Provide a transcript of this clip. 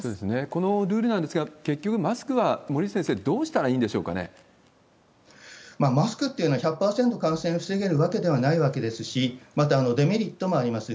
このルールなんですが、結局、マスクは森内先生、マスクというのは、１００％感染を防げるわけではないわけですし、また、デメリットもあります。